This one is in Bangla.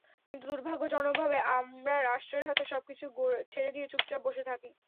কিন্তু দুর্ভাগ্যজনকভাবে আমরা রাষ্ট্রের হাতে সবকিছু ছেড়ে দিয়ে চুপচাপ বসে থাকি।